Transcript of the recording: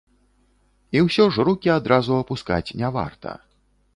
І ўсё ж рукі адразу апускаць не варта.